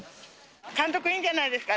監督いいんじゃないですか。